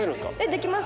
できます。